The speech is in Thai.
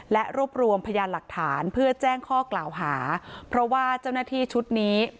และรวบรวมพยานหลักฐานเพื่อแจ้งข้อกล่าวหาเพราะว่าเจ้าหน้าที่ชุดนี้